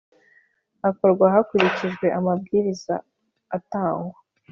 akorwa hakurikijwe amabwiriza atangwa